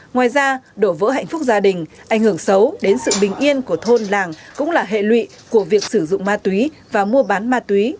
ngoài ra đổ vỡ hạnh phúc gia đình ảnh hưởng xấu đến sự bình yên của thôn làng cũng là hệ lụy của việc sử dụng ma túy và mua bán ma túy